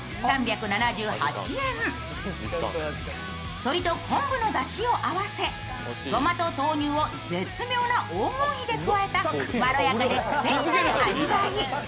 鶏と昆布のだしを合わせごまと豆乳を絶妙な黄金比で加えたまろやかでくせになる味わい。